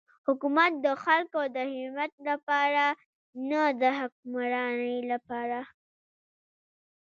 حکومت د خلکو د خدمت لپاره دی نه د حکمرانی لپاره.